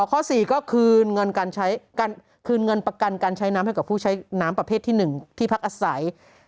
ข้อ๔ก็คืนเงินประกันการใช้น้ำให้ผู้ใช้น้ำประเภทที่๑ที่พักอาศัย